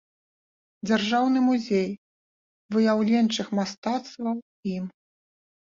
Дзяржаўны музей выяўленчых мастацтваў ім.